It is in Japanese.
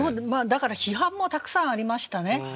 だから批判もたくさんありましたね。